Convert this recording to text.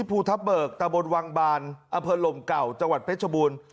ภูทับเบิกตะบนวังบานอำเภอลมเก่าจังหวัดเพชรบูรณ์